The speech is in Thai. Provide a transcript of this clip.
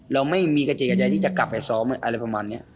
เราไม่มีกระจิตกระใจที่จะกลับไปซ้อมอะไรประมาณนี้